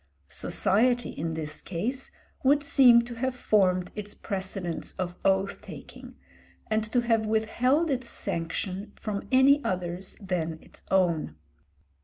Society in this case would seem to have formed its precedents of oath taking, and to have withheld its sanction from any others than its own.